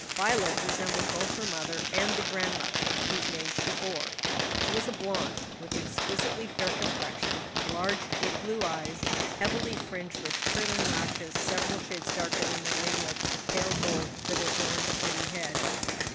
Violet resembled both her mother and the grandmother whose name she bore; she was a blonde, with exquisitely fair complexion, large deep blue eyes, heavily fringed with curling lashes several shades darker than the ringlets of pale gold that adorned the pretty head.